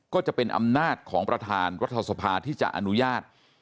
ก็จะเป็นอำนาจของประธานรัฐสภาที่จะอนุญาต